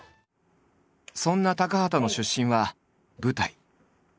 そんな高畑の出身は舞台。